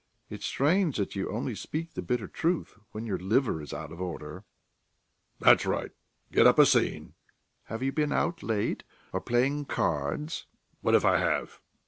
"It's strange that you only speak the bitter truth when your liver is out of order." "That's right; get up a scene." "Have you been out late? Or playing cards?" "What if I have?